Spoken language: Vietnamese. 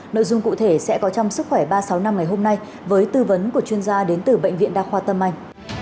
nội dung cụ thể sẽ có trong sức khỏe ba trăm sáu mươi năm ngày hôm nay với tư vấn của chuyên gia đến từ bệnh viện đa khoa tâm anh